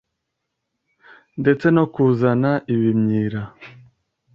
ndetse no kuzana ibimyira